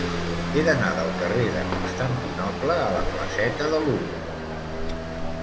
He d'anar del carrer de Constantinoble a la placeta de Lugo.